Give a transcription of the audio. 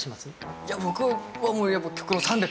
いや僕はもうやっぱ極論。